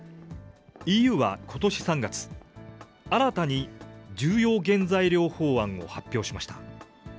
ＥＵはことし３月、新たに重要原材料法案を発表しました。